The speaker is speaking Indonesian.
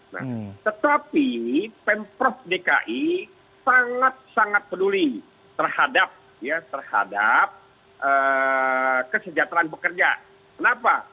nah tetapi pemprov dki sangat sangat peduli terhadap kesejahteraan bekerja kenapa